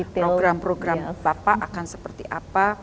program program bapak akan seperti apa